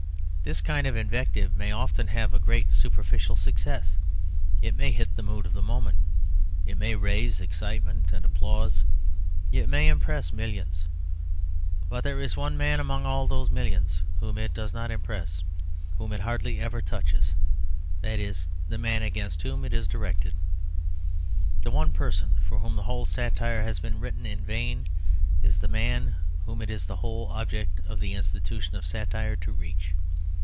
This kind of invective may often have a great superficial success: it may hit the mood of the moment; it may raise excitement and applause; it may impress millions. But there is one man among all those millions whom it does not impress, whom it hardly ever touches; that is the man against whom it is directed. The one person for whom the whole satire has been written in vain is the man whom it is the whole object of the institution of satire to reach.